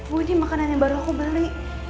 bu ini makanan yang baru aku beli